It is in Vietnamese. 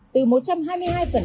từ một trăm hai mươi hai trở lên